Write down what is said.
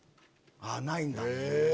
ないんだ。